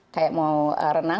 seperti mau renang